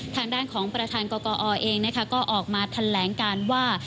ทางด้านของประธานกกอเองก็ออกมาแถลงการว่า